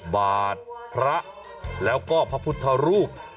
บาทพระแล้วก็พระพุทธรูป